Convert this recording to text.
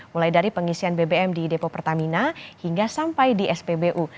mulai dari pengisian bbm di depo pertamina hingga sampai di spbu